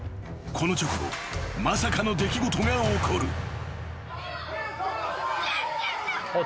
［この直後まさかの出来事が起こる］